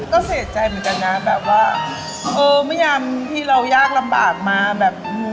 ก็เสียใจเหมือนกันนะแบบว่าเออไม่ยำที่เรายากลำบากมาแบบ